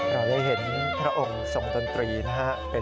เราได้เห็นพระองค์ทรงดนตรีนะครับ